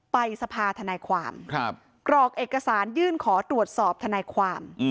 ไปสภาธนายความกรอกเอกสารยื่นขอตรวจสอบทนายความ